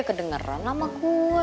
kedengeran sama gue